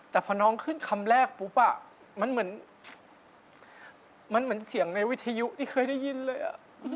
แต่พอน้องขึ้นคำแรกปุ๊บมันเหมือนเสียงในวิทยุที่เคยได้ยินเลย